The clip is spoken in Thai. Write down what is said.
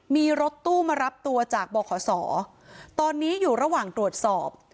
มีรถตู้มารับตัวจากบขศตอนนี้อยู่ระหว่างตรวจสอบ